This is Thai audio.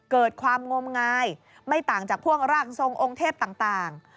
เกิดความงมงายไม่ต่างจากพวกร่างทรงองค์เทพต่าง